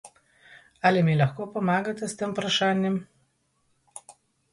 Ali mi lahko pomagate s tem vprašanjem?